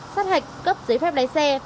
sát hạch cấp giấy phép lái xe